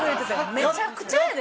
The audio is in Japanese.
めちゃくちゃやで？